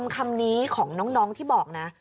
คำนี้ของน้องที่บอกนะ